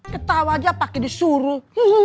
ketawa aja pake disuruh